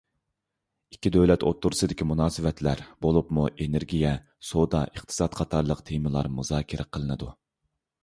ئىككى دۆلەت ئوتتۇرىسىدىكى مۇناسىۋەتلەر، بولۇپمۇ ئېنېرگىيە، سودا، ئىقتىساد قاتارلىق تېمىلار مۇزاكىرە قىلىنىدۇ.